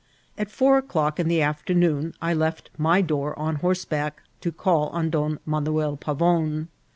At four o'clock in the afternoon I left my door on horseback, to call on Don Manuel Pavon.